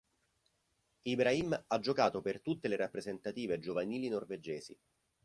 Ibrahim ha giocato per tutte le rappresentative giovanili norvegesi.